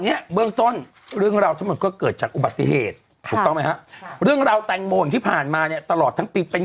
ไม่ต้องถึงกิ๊กตักได้ไหมผ่านเข้ามาตรงนี้เลย